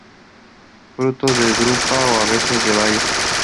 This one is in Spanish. Frutos en drupa o a veces en baya.